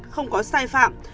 không có sai phạm